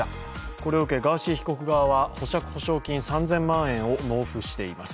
これを受けガーシー被告側は保釈保証金３０００万円を納付しています。